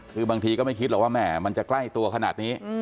คือบางทีก็ไม่คิดหรอกว่าแม่มันจะใกล้ตัวขนาดนี้